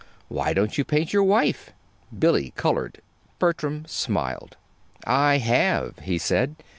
Why don't you paint your wife?" Billy colored. Bertram smiled. "I have," he said.